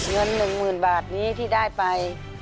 เงิน๑หมื่นบาทนี้ที่ได้ไป